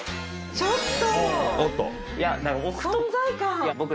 ちょっと。